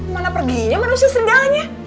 mana perginya manusia serigalanya